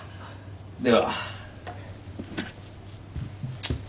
では。